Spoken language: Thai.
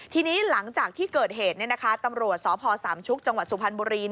ทีนี้หลังจากที่เกิดเหตุตำรวจสพสามชุกจังหวัดสุพรรณบุรี